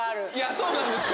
そうなんですよ